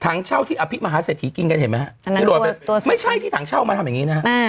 ถังเช่าที่อภิมฮาเสถีกินกันเห็นไหมไม่ใช่ที่ถังเช่ามาทำอย่างนี้นะ